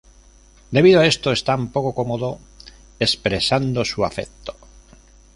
Debido a esto, están poco cómodo expresando su afecto.